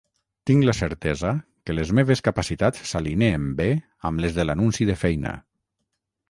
Tinc la certesa que les meves capacitats s'alineen bé amb les de l'anunci de feina.